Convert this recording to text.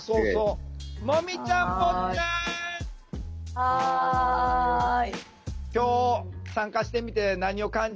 はい。